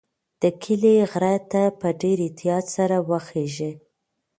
د کلي غره ته په ډېر احتیاط سره وخیژئ.